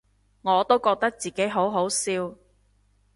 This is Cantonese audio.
我都覺得自己好好笑